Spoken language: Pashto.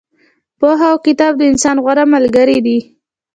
پوهه او کتاب د انسان غوره ملګري دي.